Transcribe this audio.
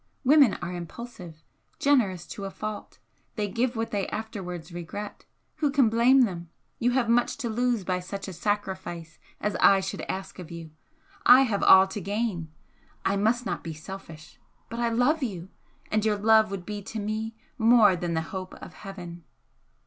Women are impulsive, generous to a fault they give what they afterwards regret who can blame them! You have much to lose by such a sacrifice as I should ask of you I have all to gain. I must not be selfish. But I love you! and your love would be to more than the hope of Heaven!"